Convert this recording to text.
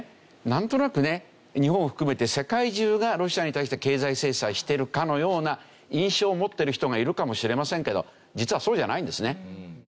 なんとなくね日本を含めて世界中がロシアに対して経済制裁しているかのような印象を持ってる人がいるかもしれませんけど実はそうじゃないんですね。